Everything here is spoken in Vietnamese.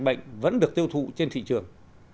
bệnh vẫn được tiêu thụ trên thị trường